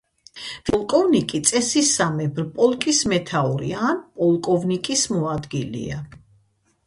ვიცე-პოლკოვნიკი წესისამებრ პოლკის მეთაური ან პოლკოვნიკის მოადგილეა.